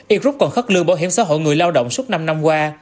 ít rút còn khất lương bảo hiểm xã hội người lao động suốt năm năm qua